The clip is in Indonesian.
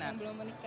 yang belum menikah